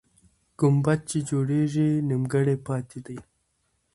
ګمبد چې جوړېږي، نیمګړی پاتې دی.